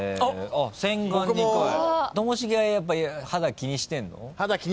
ともしげはやっぱ肌気にしてんの？